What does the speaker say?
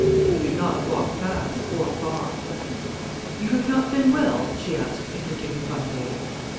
He could not walk fast, or far. "You have not been well?" she asked, in her dignified way.